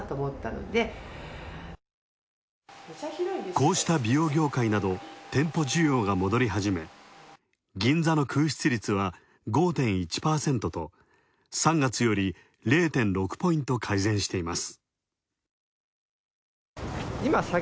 こうした美容業界など店舗需要が戻り始め銀座の空室率は５．１％と、３月より０．６ポイント改善しています。